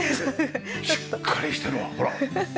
しっかりしてるわほら。